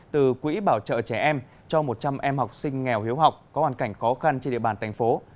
từ quỹ bảo trợ trẻ em cho một trăm linh em học sinh nghèo hiếu học có hoàn cảnh khó khăn trên địa bàn thành phố